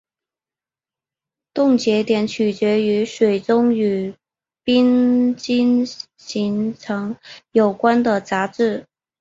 冻结点取决于水中与冰晶形成有关的杂质。